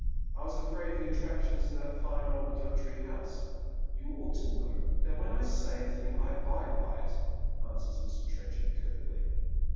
" I was afraid the attractions of that fine old country house "" You ought to know that when I say a thing I abide by it," answers Mr. Trenchard, curtly.